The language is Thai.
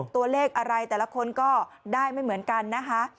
ตัวเลขอะไรแต่ละคนก็ได้ไม่เหมือนกันนะคะ